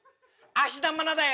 芦田愛菜だよ。